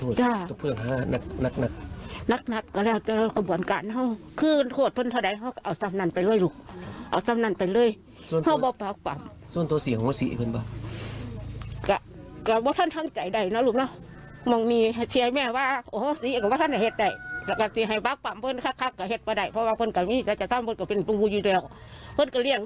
ซึ่งก็เรียงคือกันเนี่ยแล้วคนแท้ใดจังใด